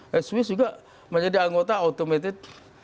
dan swiss juga menjadi anggota automated